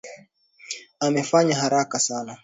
Amefanya haraka sana.